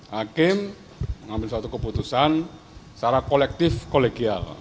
hakim mengambil satu keputusan secara kolektif kolektif